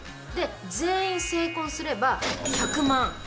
全員成婚すれば１００万円。